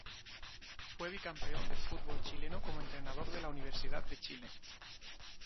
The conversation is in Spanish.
Fue Bicampeón del fútbol chileno como entrenador de la Universidad de Chile.